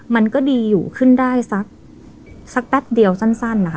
มันก็ดีอยู่ขึ้นได้สักแป๊บเดียวสั้นนะคะ